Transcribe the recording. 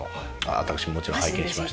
私もちろん拝見しました。